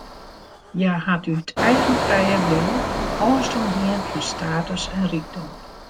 Hja hat út eigen frije wil ôfstân dien fan status en rykdom.